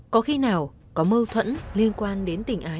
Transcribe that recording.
có khi nào có mâu thuẫn liên quan đến tình ái